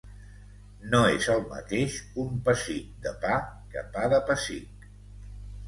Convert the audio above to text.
No és el mateix un pessic de pa, que pa de pessic.